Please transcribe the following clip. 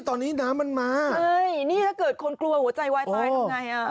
ตอนนี้น้ำมันมาใช่นี่ถ้าเกิดคนกลัวหัวใจวายตายทำไงอ่ะ